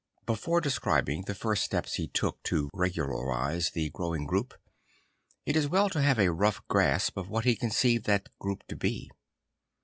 Before describing the first steps he took to regu larise the growing group, it is well to have a rough grasp of what he conceived that group to be.